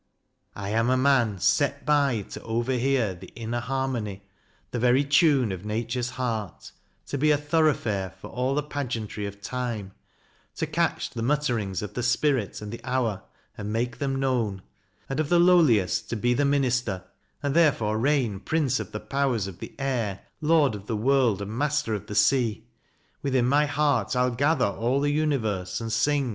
I am a man set by to overhear The inner harmony, the very tune Of Nature's heart ; to be a thoroughfare For all the pageantry of time ; to catch The mutterings of the spirit and the hour And make them known ; and of the lowliest To be the minister, and therefore reign Prince of the powers of the air, lord of the world And master of the sea. Within my heart I'll gather all the universe, and sing